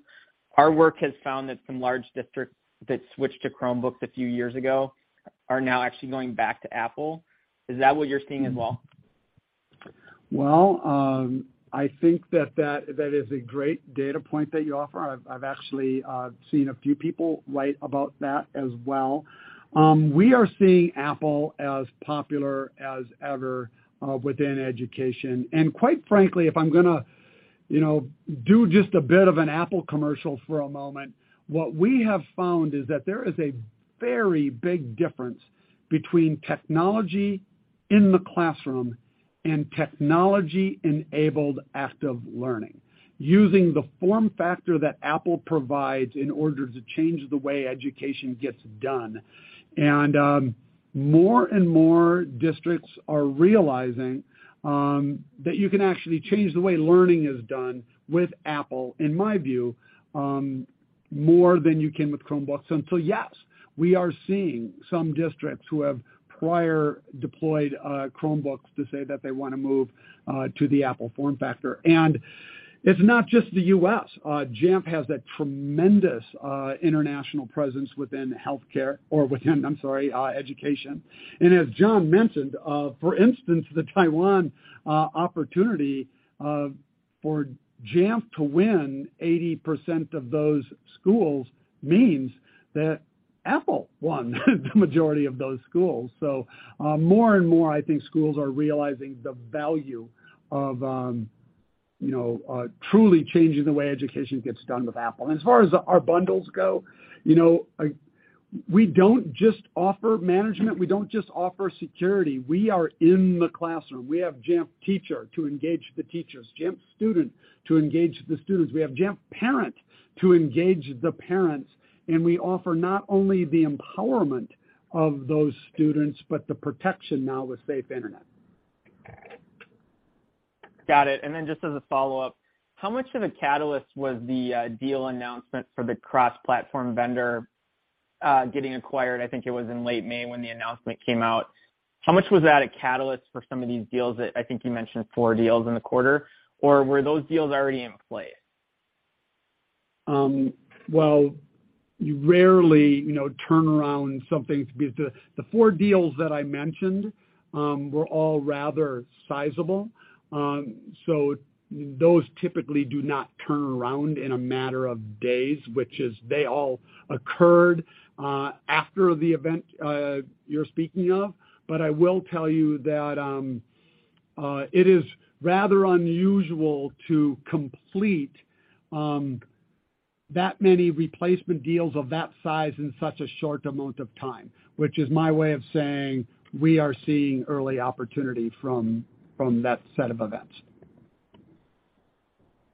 Our work has found that some large districts that switched to Chromebooks a few years ago are now actually going back to Apple. Is that what you're seeing as well? Well, I think that is a great data point that you offer. I've actually seen a few people write about that as well. We are seeing Apple as popular as ever within education. Quite frankly, if I'm gonna, you know, do just a bit of an Apple commercial for a moment, what we have found is that there is a very big difference between technology in the classroom and technology-enabled active learning, using the form factor that Apple provides in order to change the way education gets done. More and more districts are realizing that you can actually change the way learning is done with Apple, in my view, more than you can with Chromebooks. Yes, we are seeing some districts who have previously deployed Chromebooks to say that they wanna move to the Apple form factor. It's not just the U.S. Jamf has that tremendous international presence within education. As John mentioned, for instance, the Taiwan opportunity for Jamf to win 80% of those schools means that Apple won the majority of those schools. More and more, I think schools are realizing the value of, you know, truly changing the way education gets done with Apple. As far as our bundles go, you know, we don't just offer management, we don't just offer security. We are in the classroom. We have Jamf Teacher to engage the teachers, Jamf Student to engage the students. We have Jamf Parent to engage the parents, and we offer not only the empowerment of those students, but the protection now with Jamf Safe Internet. Got it. Just as a follow-up, how much of a catalyst was the deal announcement for the cross-platform vendor getting acquired? I think it was in late May when the announcement came out. How much was that a catalyst for some of these deals that I think you mentioned four deals in the quarter, or were those deals already in play? Well, you rarely, you know, turn around something. The four deals that I mentioned were all rather sizable. Those typically do not turn around in a matter of days, which is they all occurred after the event you're speaking of. I will tell you that it is rather unusual to complete that many replacement deals of that size in such a short amount of time, which is my way of saying we are seeing early opportunity from that set of events.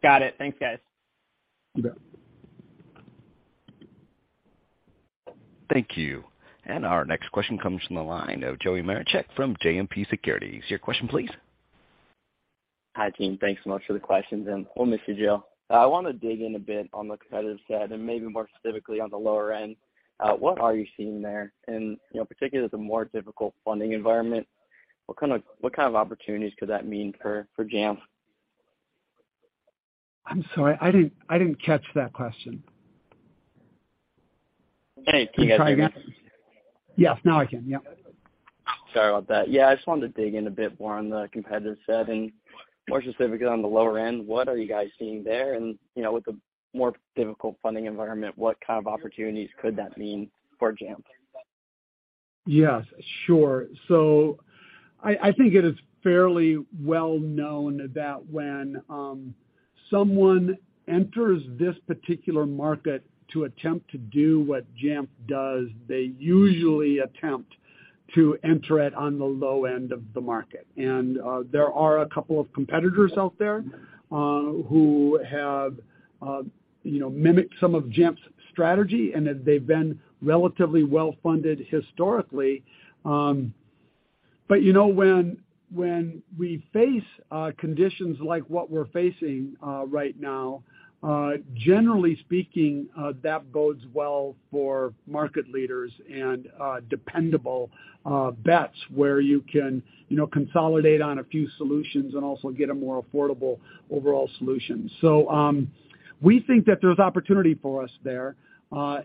Got it. Thanks, guys. You bet. Thank you. Our next question comes from the line of Joey Marincek from JMP Securities. Your question please. Hi, team. Thanks so much for the questions, and we'll miss you, Jill. I wanna dig in a bit on the competitive set and maybe more specifically on the lower end. What are you seeing there and, you know, particularly with the more difficult funding environment, what kind of opportunities could that mean for Jamf? I'm sorry. I didn't catch that question. Hey, can you guys hear me? Can you try again? Yes. Now I can. Yep. Sorry about that. Yeah, I just wanted to dig in a bit more on the competitive set and more specifically on the lower end. What are you guys seeing there? You know, with the more difficult funding environment, what kind of opportunities could that mean for Jamf? Yes, sure. I think it is fairly well known that when someone enters this particular market to attempt to do what Jamf does, they usually attempt to enter it on the low end of the market. There are a couple of competitors out there who have you know mimicked some of Jamf's strategy, and they've been relatively well-funded historically. You know when we face conditions like what we're facing right now generally speaking that bodes well for market leaders and dependable bets where you can you know consolidate on a few solutions and also get a more affordable overall solution. We think that there's opportunity for us there,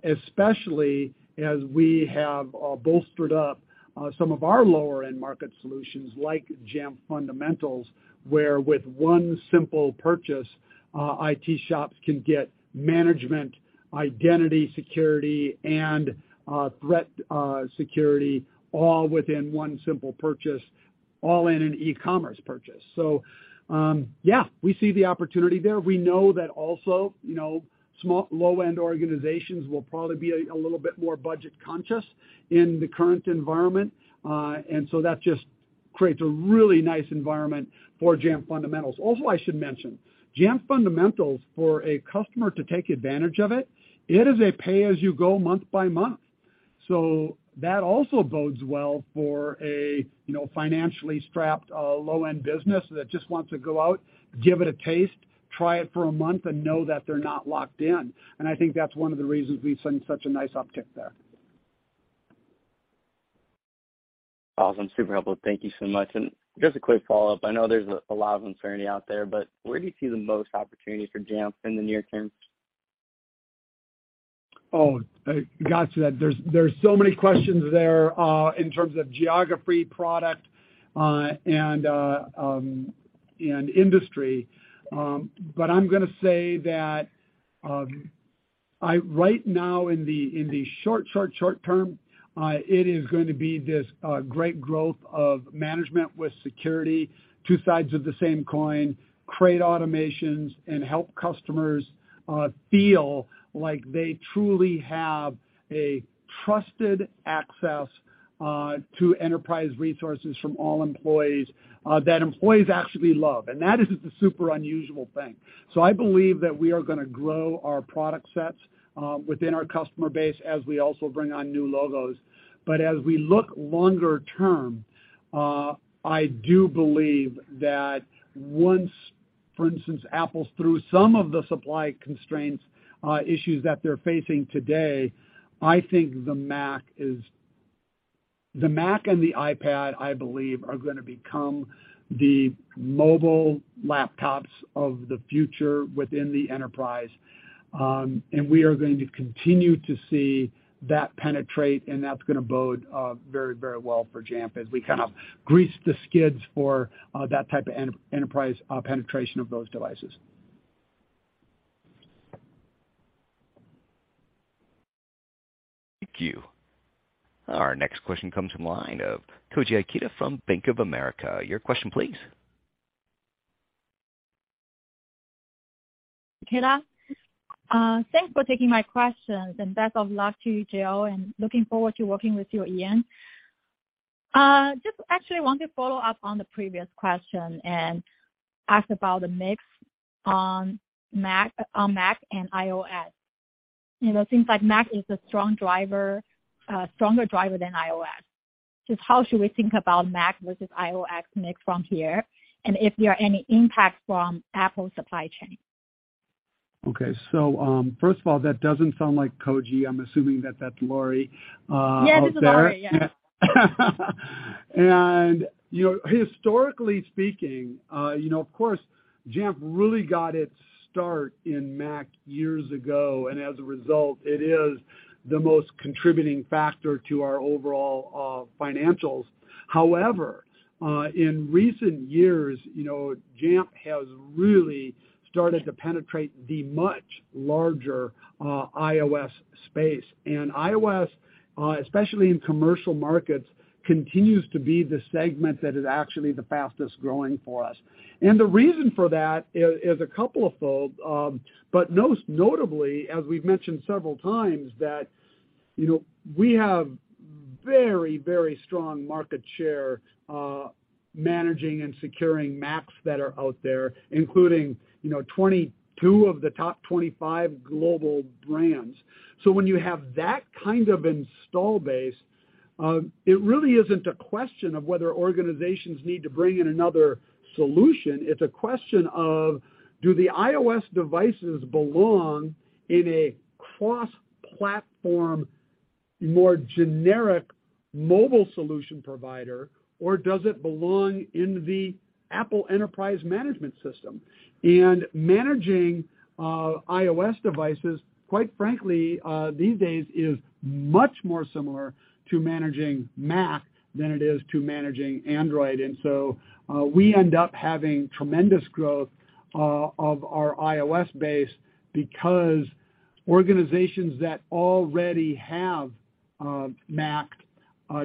especially as we have bolstered up some of our lower-end market solutions like Jamf Fundamentals, where with one simple purchase, IT shops can get management, identity security, and threat security all within one simple purchase, all in an e-commerce purchase. Yeah, we see the opportunity there. We know that also, you know, small low-end organizations will probably be a little bit more budget-conscious in the current environment. That just creates a really nice environment for Jamf Fundamentals. Also, I should mention Jamf Fundamentals for a customer to take advantage of it. It is a pay-as-you-go month by month. That also bodes well for a, you know, financially strapped, low-end business that just wants to go out, give it a taste, try it for a month, and know that they're not locked in. I think that's one of the reasons we've seen such a nice uptick there. Awesome. Super helpful. Thank you so much. Just a quick follow-up. I know there's a lot of uncertainty out there, but where do you see the most opportunity for Jamf in the near term? Oh, I got you. There's so many questions there in terms of geography, product, and industry. I'm gonna say that right now in the short term, it is going to be this great growth of management with security, two sides of the same coin, create automations, and help customers feel like they truly have a trusted access to enterprise resources from all employees that employees actually love. That is the super unusual thing. I believe that we are gonna grow our product sets within our customer base as we also bring on new logos. As we look longer term, I do believe that once, for instance, Apple's through some of the supply constraints issues that they're facing today, I think the Mac is. The Mac and the iPad, I believe, are gonna become the mobile laptops of the future within the enterprise. We are going to continue to see that penetrate, and that's gonna bode very, very well for Jamf as we kind of grease the skids for that type of enterprise penetration of those devices. Thank you. Our next question comes from the line of Koji Ikeda from Bank of America. Your question please. Thanks for taking my questions, and best of luck to you, Jill, and looking forward to working with you, Ian. Just actually want to follow up on the previous question and ask about the mix on Mac, on Mac and iOS. You know, things like Mac is a strong driver, stronger driver than iOS. Just how should we think about Mac versus iOS mix from here, and if there are any impact from Apple supply chain? Okay. First of all, that doesn't sound like Koji. I'm assuming that that's Laurie out there. Yeah, this is Laurie. Yeah. You know, historically speaking, you know, of course, Jamf really got its start in Mac years ago, and as a result, it is the most contributing factor to our overall financials. However, in recent years, you know, Jamf has really started to penetrate the much larger iOS space. iOS, especially in commercial markets, continues to be the segment that is actually the fastest-growing for us. The reason for that is a couple of fold. But most notably, as we've mentioned several times, that, you know, we have very, very strong market share managing and securing Macs that are out there, including, you know, 22 of the top 25 global brands. When you have that kind of install base, it really isn't a question of whether organizations need to bring in another solution, it's a question of do the iOS devices belong in a cross-platform, more generic mobile solution provider, or does it belong in the Apple enterprise management system? Managing iOS devices, quite frankly, these days is much more similar to managing Mac than it is to managing Android. We end up having tremendous growth of our iOS base because organizations that already have Mac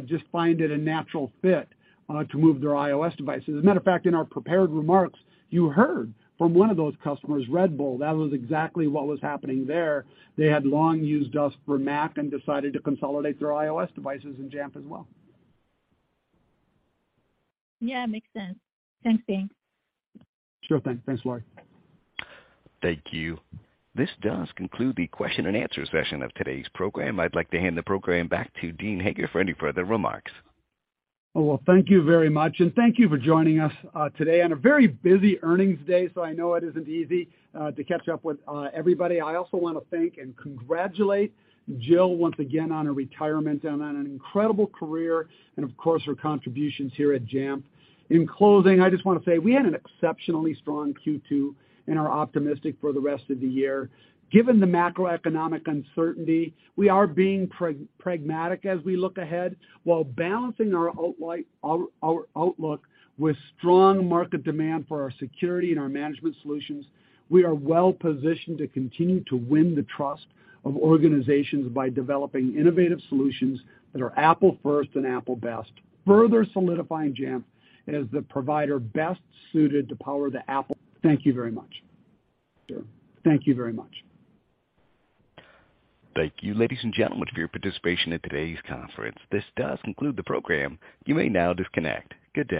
just find it a natural fit to move their iOS devices. As a matter of fact, in our prepared remarks, you heard from one of those customers, Red Bull, that was exactly what was happening there. They had long used us for Mac and decided to consolidate their iOS devices in Jamf as well. Yeah, makes sense. Thanks, Dean. Sure thing. Thanks, Laurie. Thank you. This does conclude the question and answer session of today's program. I'd like to hand the program back to Dean Hager for any further remarks. Oh, well, thank you very much, and thank you for joining us today on a very busy earnings day. I know it isn't easy to catch up with everybody. I also wanna thank and congratulate Jill once again on her retirement and on an incredible career and of course, her contributions here at Jamf. In closing, I just wanna say we had an exceptionally strong Q2 and are optimistic for the rest of the year. Given the macroeconomic uncertainty, we are being pragmatic as we look ahead while balancing our outlook with strong market demand for our security and our management solutions. We are well-positioned to continue to win the trust of organizations by developing innovative solutions that are Apple first and Apple best, further solidifying Jamf as the provider best suited to power the Apple. Thank you very much. Thank you very much. Thank you, ladies and gentlemen, for your participation in today's conference. This does conclude the program. You may now disconnect. Good day.